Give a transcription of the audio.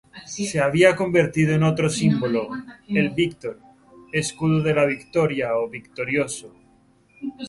Se había convertido en otro símbolo: el Víctor, "Escudo de la Victoria" o "Victorioso".